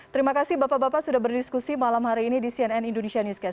terima kasih bapak bapak sudah berdiskusi malam hari ini di cnn indonesia newscast